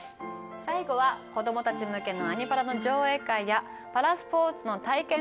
最後は子供たち向けの「アニ×パラ」の上映会やパラスポーツの体験会の姿でお別れです。